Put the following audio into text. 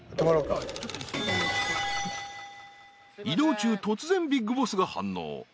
［移動中突然ビッグボスが反応］